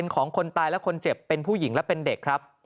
ของคนตายและคนเจ็บเป็นผู้หญิงและเป็นเด็กครับ